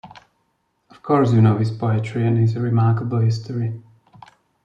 Of course you know his poetry and his remarkable history.